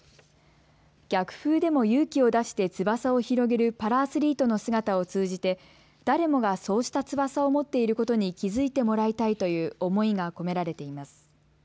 逆風でも勇気を出して翼を広げるパラアスリートの姿を通じて誰もがそうした翼を持っていることに気付いてもらいたいという思いが込められています。